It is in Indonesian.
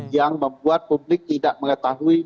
yang membuat publik tidak mengetahui